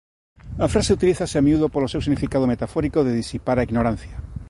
A frase utilízase a miúdo polo seu significado metafórico de disipar a ignorancia.